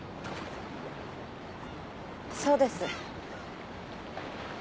そうです。